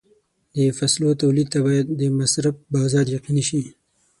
د فصلو تولید ته باید د مصرف بازار یقیني شي.